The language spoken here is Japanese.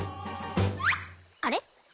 あれ？